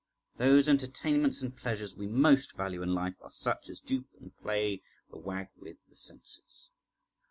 Those entertainments and pleasures we most value in life are such as dupe and play the wag with the senses.